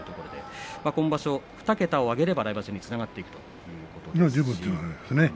今場所、２桁を挙げれば来場所につながっていく十分つながりますね。